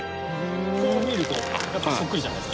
こう見るとやっぱそっくりじゃないですか？